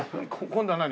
今度は何？